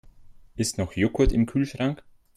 Ist noch Joghurt im Kühlschrank?